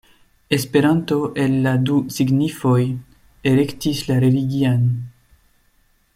Esperanto el la du signifoj elektis la religian.